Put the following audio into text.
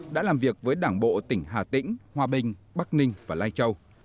đã làm việc với đảng bộ tỉnh hà tĩnh hòa bình bắc ninh và lai châu